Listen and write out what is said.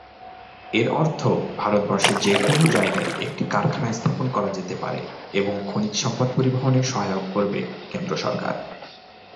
এর অর্থ ভারতবর্ষে যে কোনও জায়গায় একটি কারখানা স্থাপন করা যেতে পারে এবং খনিজ সম্পদ পরিবহনে সহায়ক করবে কেন্দ্র সরকার।